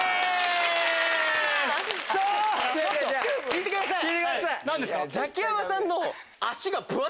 聞いてください。